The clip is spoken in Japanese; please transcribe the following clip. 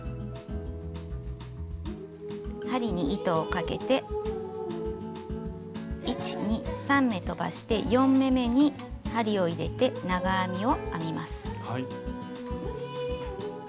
針に糸をかけて１２３目とばして４目めに針を入れて長編みを編みます。